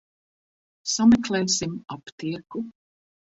Sameklēsim aptieku.